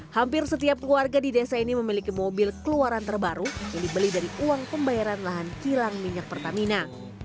hampir setiap keluarga di desa ini memiliki mobil keluaran terbaru yang dibeli dari uang pembayaran lahan kilang minyak pertamina